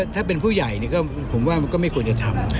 ถ้าเป็นผู้ใหญ่ผมว่ามันก็ไม่ควรจะทำ